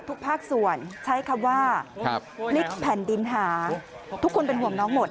ภาคส่วนใช้คำว่าพลิกแผ่นดินหาทุกคนเป็นห่วงน้องหมด